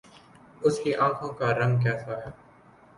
اس کی آنکھوں کا رنگ کیسا ہے